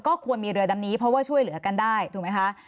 ก็ควรมีเรือดำนี้เพราะว่าช่วยเหลือกันได้ถูกไหมคะ